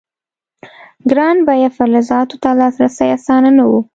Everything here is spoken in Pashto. ګران بیه فلزاتو ته لاسرسی اسانه نه و.